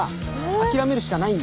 諦めるしかないんだ。